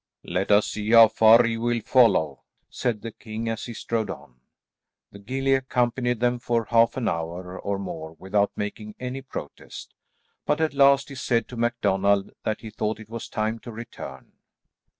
"Let us see how far he will follow," said the king as he strode on. The gillie accompanied them for half an hour or more without making any protest, but at last he said to MacDonald that he thought it was time to return.